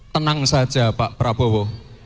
tenang saja pak prabowo